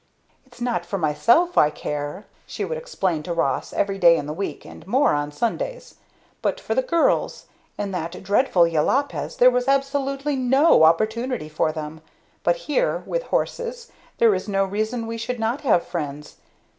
"It's not for myself I care," she would explain to Ross, every day in the week and more on Sundays, "but for the girls. In that dreadful Jopalez there was absolutely no opportunity for them; but here, with horses, there is no reason we should not have friends.